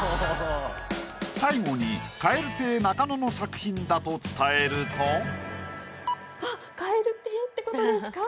最後に蛙亭中野の作品だと伝えると。ってことですか？